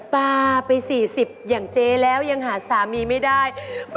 ปลาไป๔๐อย่างเจ๊แล้วยังหาสามีไม่ได้